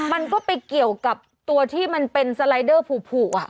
มันก็ไปเกี่ยวกับตัวที่มันเป็นสไลเดอร์ผูอ่ะ